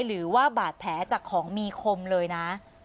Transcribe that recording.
หรือว่าบาดแผลจากของมีคมเลยนะ